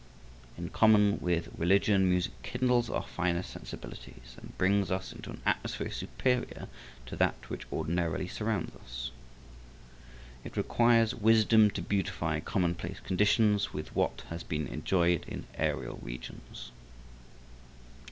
In common with religion music kindles our finer sensibilities and brings us into an atmosphere superior to that which ordinarily surrounds us. It requires wisdom to beautify commonplace conditions with what has been enjoyed in aërial regions.